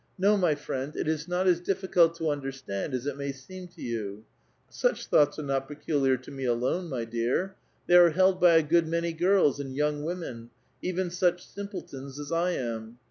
No, my friend, it is not as dillicult to understand as it may seem to you. Such tiiouglits are not peculiar to mo alone, my dear ; the\' are held by a good many girls and young women, even such simpletons as I am.